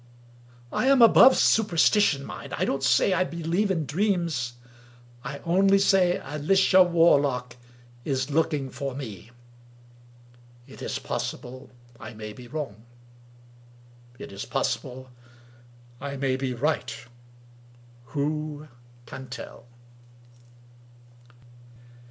I am above superstition, mind! I don't say I believe, in dreams; I only say, Alicia Warlock is looking for mc It is possible I may be wrong. It is possible I may be right Who can tell?